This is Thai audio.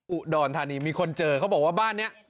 อุดรธานีมีคนเจอเขาบอกว่าบ้านนี้